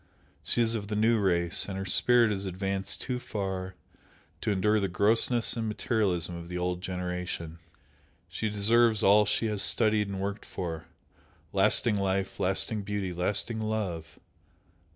She is of the New Race, and her spirit is advanced too far to endure the grossness and materialism of the Old generation. She deserves all she has studied and worked for, lasting life, lasting beauty, lasting love!